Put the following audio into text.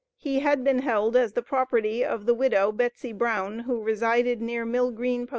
He had been held as the property of the widow, "Betsy Brown," who resided near Mill Green P.O.